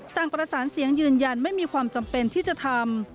ประสานเสียงยืนยันไม่มีความจำเป็นที่จะทำ